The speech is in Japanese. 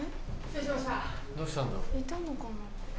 いたのかな？